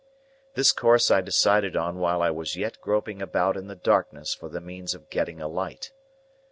This course I decided on while I was yet groping about in the darkness for the means of getting a light.